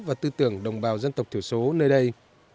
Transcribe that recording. và tư tưởng đồng bào dân tộc thiểu số nơi đây